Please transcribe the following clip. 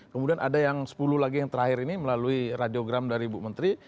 kemudian ada yang sepuluh lagi yang terakhir ini melalui radiogram dari ibu menteri